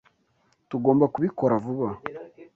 Tugomba kubikora vuba.